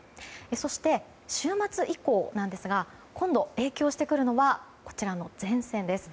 そして週末以降ですが今度、影響してくるのはこちらの前線です。